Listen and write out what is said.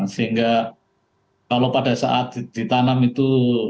sehingga kalau pada saat ditanam itu